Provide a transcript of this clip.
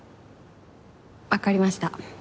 わかりました。